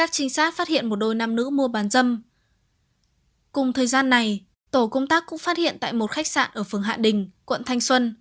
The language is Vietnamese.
cùng thời gian này tổ công tác cũng phát hiện tại một khách sạn ở phường hạ đình quận thanh xuân